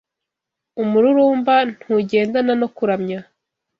Umururumba Ntugendana no Kuramya